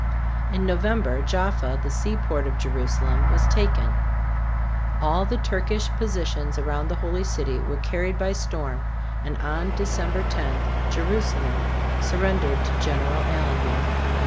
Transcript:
In November, Jaffa, the seaport of Jerusalem, was taken. All the Turkish positions around the Holy City were carried by storm, and on December 10 Jerusalem surrendered to General Allenby.